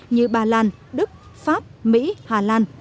như bà lan đức pháp mỹ hà lan